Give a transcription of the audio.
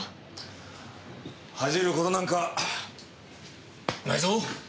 恥じる事なんかないぞ。